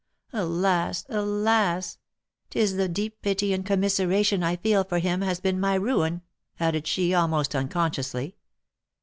Alas! alas! 'tis the deep pity and commiseration I feel for him has been my ruin," added she, almost unconsciously.